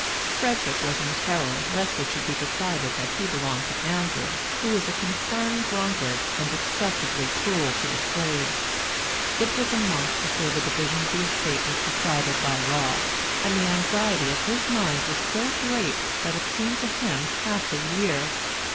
Frederick was in terror lest it should be decided that he belonged to Andrew, who was a confirmed drunkard, and excessively cruel to the slaves. It was a month before the division of the estate was decided by law; and the anxiety of his mind was so great that it seemed to him half a year.